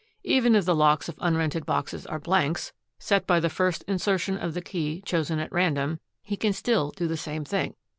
Even if the locks of unrented boxes are blanks, set by the first insertion of the key chosen at random, he can still do the same thing.